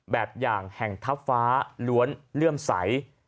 แบบอย่างแห่งทัพฟ้าล้วนเลื่อมใส